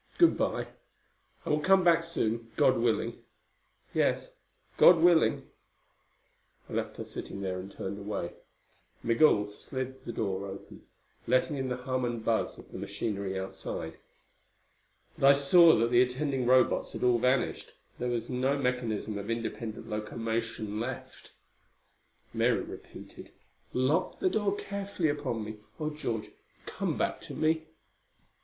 "Good by. I will come back soon, God willing." "Yes. God willing." I left her sitting there and turned away. Migul slid the door open, letting in the hum and buzz of the machinery outside. But I saw that the attending Robots had all vanished. There was no mechanism of independent locomotion left. Mary repeated, "Lock the door carefully upon me. Oh, George, come back to me!"